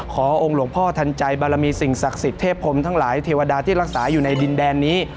องค์หลวงพ่อทันใจบารมีสิ่งศักดิ์สิทธิเทพพรมทั้งหลายเทวดาที่รักษาอยู่ในดินแดนนี้